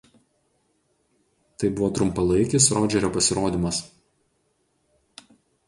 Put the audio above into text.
Tai buvo trumpalaikis Rodžerio pasirodymas.